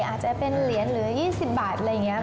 อาจจะเป็นเหรียญหรือ๒๐บาทอะไรอย่างนี้